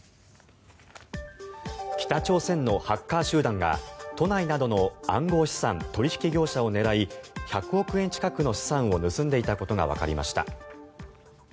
北朝鮮のハッカー集団が都内などの暗号資産取引業者を狙い１００億円近くの資産を盗んでいたことがわかりました。